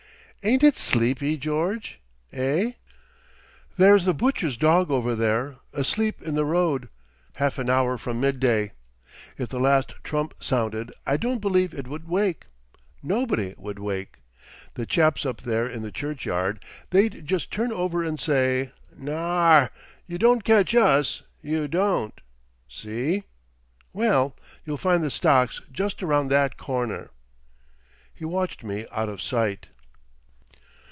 "Ain't it sleepy, George, eh? There's the butcher's dog over there, asleep in the road half an hour from midday! If the last Trump sounded I don't believe it would wake. Nobody would wake! The chaps up there in the churchyard—they'd just turn over and say: 'Naar—you don't catch us, you don't! See?'.... Well, you'll find the stocks just round that corner." He watched me out of sight.